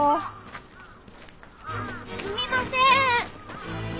すみません！